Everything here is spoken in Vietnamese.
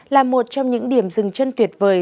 là một trong những điểm rừng chân tuyệt vời